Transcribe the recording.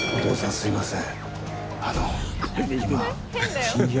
すいません。